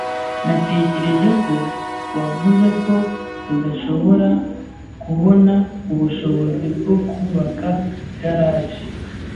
Natekereje ko wavuze ko udashobora kubona ubushobozi bwo kubaka igaraje.